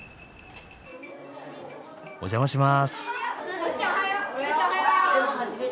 お邪魔します。